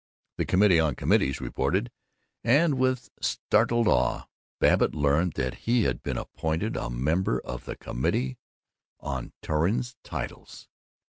The Committee on Committees reported, and with startled awe Babbitt learned that he had been appointed a member of the Committee on Torrens Titles.